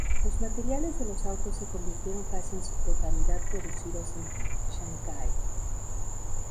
Los materiales de los autos se convirtieron casi en su totalidad producidos en Shanghái.